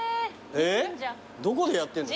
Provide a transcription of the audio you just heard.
どこでやってんの？